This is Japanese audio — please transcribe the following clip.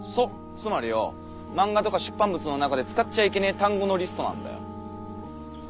つまりよォ漫画とか出版物の中で使っちゃあいけねー単語のリストなんだよ。